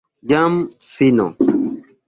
Jam fino!